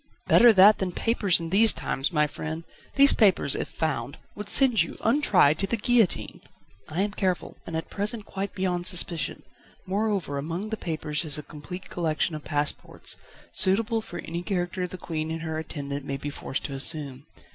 "Better that than papers in these times, my friend: these papers, if found, would send you, untried, to the guillotine." "I am careful, and, at present, quite beyond suspicion. Moreover, among the papers is a complete collection of passports, suitable for any character the Queen and her attendant may be forced to assume.